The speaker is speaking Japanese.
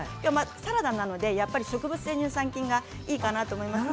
サラダなので植物性乳酸菌がいいかなと思います。